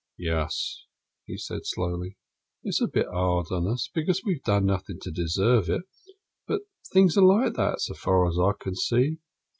"Yes," he said slowly, "it's a bit 'ard on us, because we've done nothing to deserve it. But things are like that, so far as I can see.